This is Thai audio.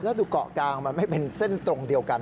แล้วดูเกาะกลางมันไม่เป็นเส้นตรงเดียวกัน